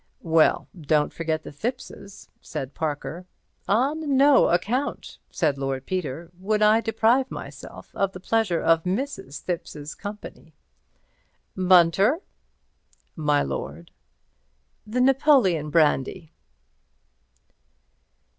"Well, don't forget the Thippses," said Mr. Parker. "On no account," said Lord Peter, "would I deprive myself of the pleasure of Mrs. Thipps's company. Bunter!" "My lord?" "The Napoleon brandy."